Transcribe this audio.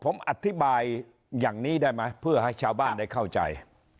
ผมอธิบายอย่างนี้ได้ไหมเพื่อให้ชาวบ้านได้เข้าใจ